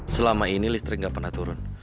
selama ini listrik nggak pernah turun